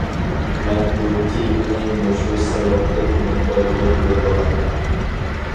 مەن بۇ تېمىنى مۇشۇ سەۋەبتىن مۇنبەرگە يوللىغان.